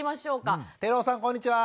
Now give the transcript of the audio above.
寺尾さんこんにちは！